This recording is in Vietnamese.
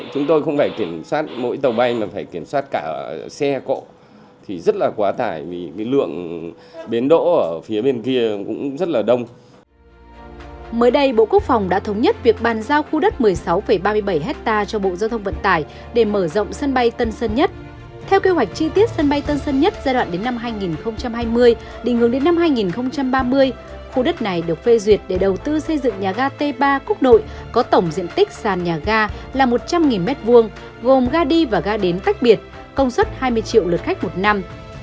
hình hướng đến năm hai nghìn ba mươi khu đất này được phê duyệt để đầu tư xây dựng nhà ga t ba quốc nội có tổng diện tích sàn nhà ga là một trăm linh m hai gồm ga đi và ga đến tách biệt công suất hai mươi triệu lượt khách một năm